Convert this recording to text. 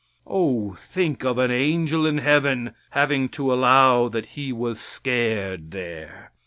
Oh, think of an angel in heaven having to allow that he was scared there.